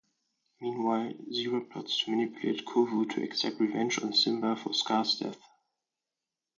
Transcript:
Meanwhile, Zira plots to manipulate Kovu to exact revenge on Simba for Scar's death.